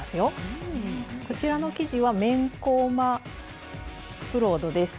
こちらの生地は綿コーマブロードです。